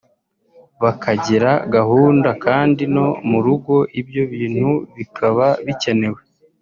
bakagira gahunda kandi no mu rugo ibyo bintu biba bikenewe